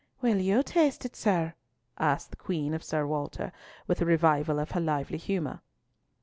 "Will you taste it, sir?" asked the Queen of Sir Walter, with a revival of her lively humour.